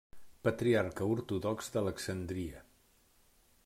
Patriarca Ortodox d'Alexandria.